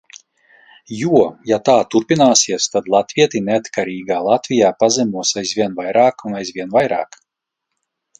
Jo, ja tā turpināsies, tad latvieti neatkarīgā Latvijā pazemos aizvien vairāk un aizvien vairāk.